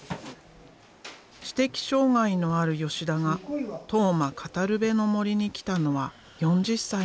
知的障害のある吉田が「当麻かたるべの森」に来たのは４０歳の時。